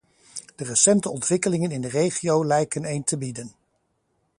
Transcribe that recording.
De recente ontwikkelingen in de regio lijken een te bieden.